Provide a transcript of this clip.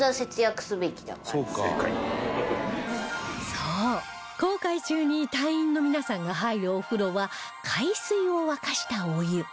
そう航海中に隊員の皆さんが入るお風呂は海水を沸かしたお湯